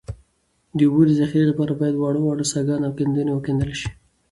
د اوبو د ذخیرې لپاره باید واړه واړه څاګان او کندې وکیندل شي